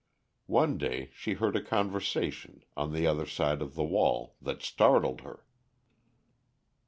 One day she heard a conversation on the other side of the wall that startled her.